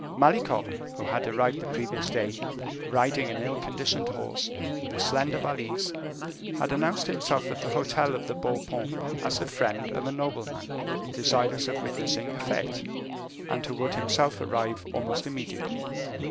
Malicorne, who had arrived the previous day, riding an ill conditioned horse, with a slender valise, had announced himself at the hotel of the Beau Paon as the friend of a nobleman desirous of witnessing the fetes, and who would himself arrive almost immediately.